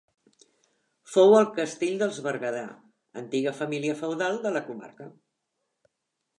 Fou el castell dels Berguedà, antiga família feudal de la comarca.